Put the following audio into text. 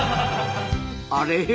あれ？